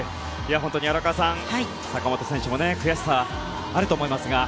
本当に荒川さん、坂本選手も悔しさ、あると思いますが。